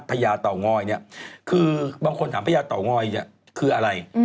ประญาเต่างอยบางคนถามประญาเต่างอยคืออะไร